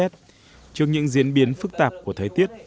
trước những diễn biến phức tạp của thế tiết